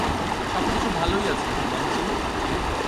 সবকিছু ভালোই আছে, মামজি।